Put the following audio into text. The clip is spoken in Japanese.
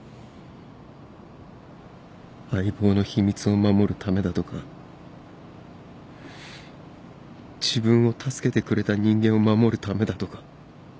相棒の秘密を守るためだとか自分を助けてくれた人間を守るためだとか。